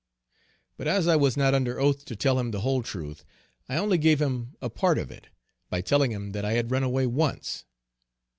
But as I was not under oath to tell him the whole truth, I only gave him a part of it, by telling him that I had run away once.